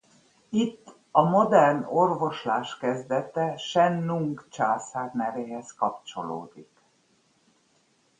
Itt a modern orvoslás kezdete Shen-Nung császár nevéhez kapcsolódik.